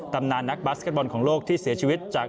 ตำนานนักบาสเก็ตบอลของโลกที่เสียชีวิตจาก